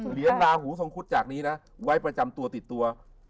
ลาหูทรงคุดจากนี้นะไว้ประจำตัวติดตัว